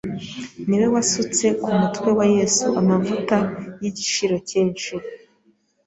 Ni we wasutse ku mutwe wa Yesu amavuta y'igiciro cyinshi,